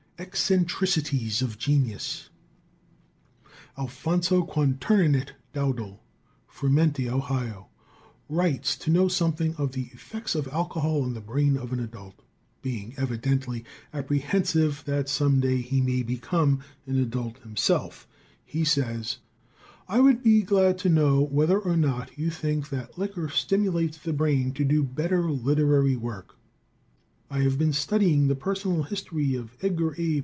Eccentricities of Genius. Alfonso Quanturnernit Dowdell, Frumenti, Ohio, writes to know something of the effects of alcohol on the brain of an adult, being evidently apprehensive that some day he may become an adult himself He says: "I would be glad to know whether or not you think that liquor stimulates the brain to do better literary work. I have been studying the personal history of Edgar A.